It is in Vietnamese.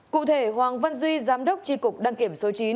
cụ thể hoàng văn duy giám đốc tri cục đăng kiểm số chín